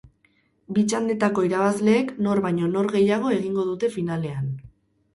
Bi txandetako irabazleek nor baino nor gehiago egingo dute finalean.